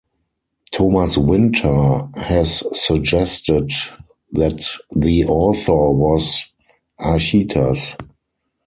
Thomas Winter has suggested that the author was Archytas.